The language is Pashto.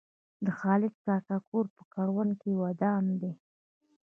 د خالد کاکا کور په کرونده کې ودان دی.